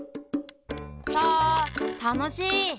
サたのしい！